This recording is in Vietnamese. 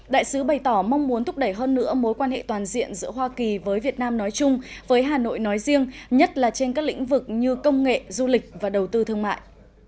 đại sứ bày tỏ mong muốn thúc đẩy hơn nữa mối quan hệ toàn diện giữa hoa kỳ với việt nam nói chung với hà nội nói riêng nhất là trên các lĩnh vực như công nghệ du lịch và đầu tư thương mại